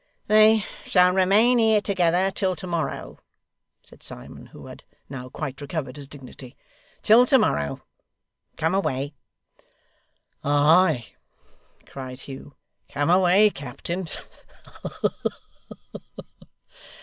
'They shall remain here together till to morrow,' said Simon, who had now quite recovered his dignity 'till to morrow. Come away!' 'Ay!' cried Hugh. 'Come away, captain.